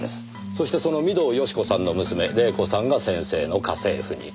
そしてその御堂好子さんの娘黎子さんが先生の家政婦に。